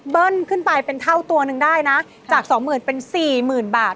ขึ้นไปเป็นเท่าตัวหนึ่งได้นะจากสองหมื่นเป็นสี่หมื่นบาท